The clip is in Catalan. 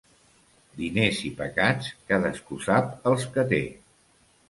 Diners i pecats, cadascú sap els que té.